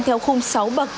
theo khung sáu bậc